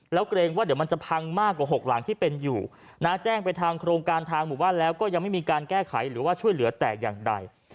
แล้วเกรงว่าเดี๋ยวมันจะพังมากกว่า๖หลังที่เป็นอยู่นะแจ้งไปทางโครงการทางหมู่บ้านแล้วก็ยังไม่มีการแก้ไขหรือว่าช่วยเหลือแต่อย่างใด